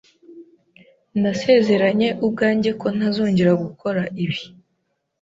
Nasezeranye ubwanjye ko ntazongera gukora ibi.